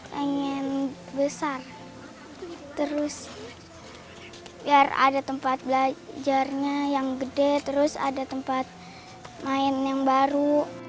pengen besar terus biar ada tempat belajarnya yang gede terus ada tempat main yang baru